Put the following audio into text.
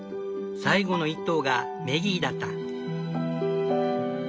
最後の１頭がメギーだった。